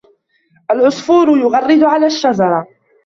الْعَصْفُورُ يُغَرِّدُ عَلَى الشَّجَرَةِ.